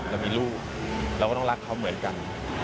เรามีลูกเราก็ต้องรักเขาเหมือนกัน